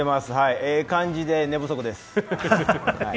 ええ感じで寝不足です。